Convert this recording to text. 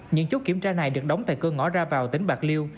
những chốt kiểm tra này được đóng tại cơ ngõ ra vào tỉnh bạc liêu